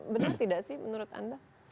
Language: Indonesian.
benar tidak sih menurut anda